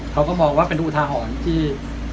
เขาก็มองว่าเป็นอุทาหรณ์ที่